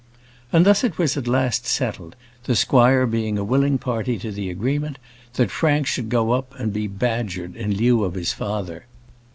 And thus it was at last settled the squire being a willing party to the agreement that Frank should go up and be badgered in lieu of his father.